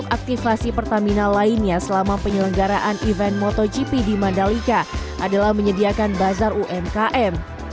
aktifasi pertamina lainnya selama penyelenggaraan event motogp di mandalika adalah menyediakan bazar umkm